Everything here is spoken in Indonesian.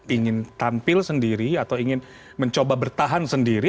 ingin tampil sendiri atau ingin mencoba bertahan sendiri